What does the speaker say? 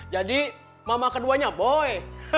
jadi mama keduanya boy